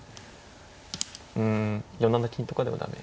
うん４七金とかでは駄目。